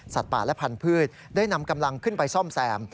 ป่าและพันธุ์ได้นำกำลังขึ้นไปซ่อมแซม